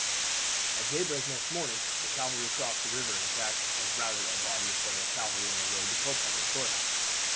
At daybreak next morning the cavalry crossed the river and attacked and routed a body of Federal cavalry on the road to Culpepper Courthouse.